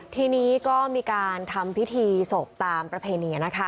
ทีนี้ก็มีการทำพิธีศพตามประเพณีนะคะ